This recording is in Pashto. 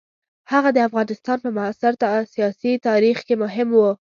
هغه د افغانستان په معاصر سیاسي تاریخ کې مهم وو.